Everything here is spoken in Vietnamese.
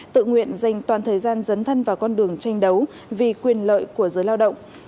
tự nguyện dành toàn thời gian dấn thân vào con đường tranh đấu vì quyền lợi của giới lao động